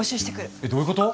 えっどういうこと？